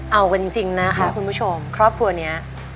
เอากันจริงนะคะคุณผู้ชมครอบครัวนี้